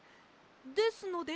ですので。